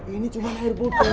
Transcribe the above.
ini cuma airboat pak